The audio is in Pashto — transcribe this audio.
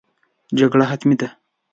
جګړه حتمي ده.